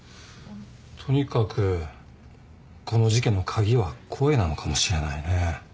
とにかくこの事件の鍵は声なのかもしれないね。